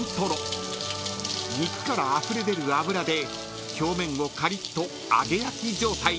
［肉からあふれ出る脂で表面をカリッと揚げ焼き状態に］